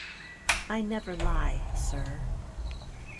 I never lie, sir.